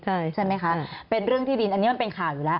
ใช่ไหมคะเป็นเรื่องที่ดินอันนี้มันเป็นข่าวอยู่แล้ว